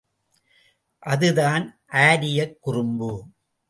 அது தான் ஆரியக் குறும்பு!